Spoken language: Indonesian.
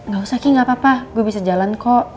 gak usah ki gak apa apa gue bisa jalan kok